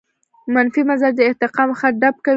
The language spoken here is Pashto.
منفي مزاج د ارتقاء مخه ډب کوي.